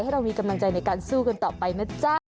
เรามีกำลังใจในการสู้กันต่อไปนะจ๊ะ